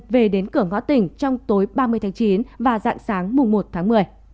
về đến cửa ngõ tỉnh trong tối ba mươi tháng chín và dạng sáng mùng một tháng một mươi